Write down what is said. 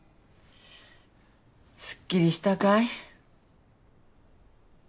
すっきりしたかい？